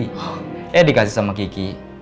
kayak dikasih sama kiki